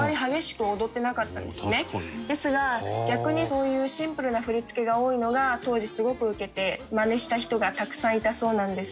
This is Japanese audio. ですが逆にそういうシンプルな振り付けが多いのが当時すごくウケてマネした人がたくさんいたそうなんです。